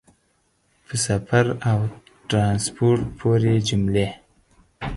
په سفر او ټرانسپورټ پورې جملې